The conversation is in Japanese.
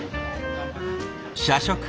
社食。